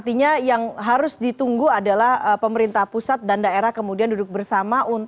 artinya yang harus ditunggu adalah pemerintah pusat dan daerah kemudian duduk bersama untuk mencari sumur sumur